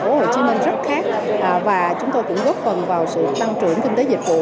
thành phố hồ chí minh rất khác và chúng tôi cũng góp phần vào sự tăng trưởng kinh tế dịch vụ